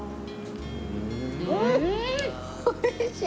おいしい。